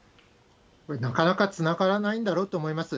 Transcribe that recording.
なかなかつながらないんだろうと思います。